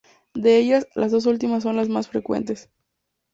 De ellas, las dos últimas son las más frecuentes.